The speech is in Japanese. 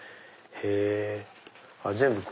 へぇ全部。